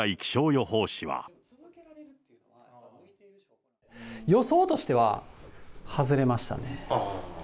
予想としては、外れましたね。